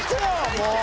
もう！